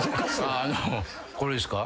あのこれですか？